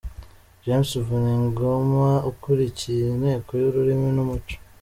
James Vuningoma ukuriye Inteko y’Ururimi n’Umuco.